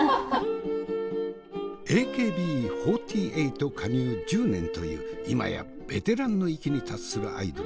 ＡＫＢ４８加入１０年という今やベテランの域に達するアイドル。